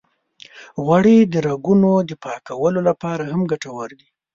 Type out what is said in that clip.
غوړې د رګونو د پاکولو لپاره هم ګټورې دي.